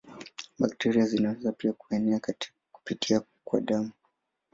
Bakteria zinaweza pia kuenea kupitia kwa damu.